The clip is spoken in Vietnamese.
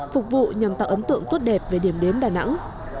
phục vụ nhằm tạo ấn tượng tốt đẹp về điểm đến đà nẵng